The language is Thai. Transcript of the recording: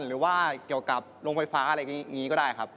หรือว่าเกี่ยวกับโรงไฟฟ้าอะไรอย่างนี้ก็ได้ครับ